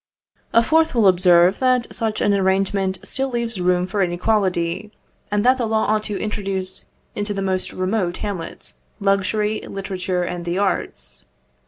A fourth will observe that such an arrangement still leaves room for inequality, and that the law ought to introduce into the most remote hamlets luxury, literature, and the arts.